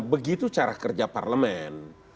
begitu cara kerja parlemen